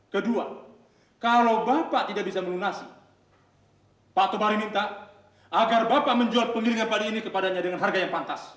kedua kalau bapak tidak bisa melunasi pak tobari minta agar bapak menjual penggiringan pada ini kepadanya dengan harga yang pantas